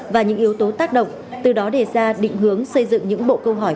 và những yếu tố tác động từ đó đề ra định hướng xây dựng những bộ câu hỏi